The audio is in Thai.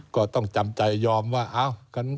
ก็ต้องจำใจยอมว่า